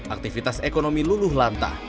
aktivitas ekonomi luluh lantah